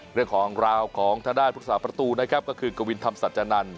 เรื่องของราวของทางด้านพุทธศาสตร์ประตูนะครับก็คือกวินธรรมสัจจนันทร์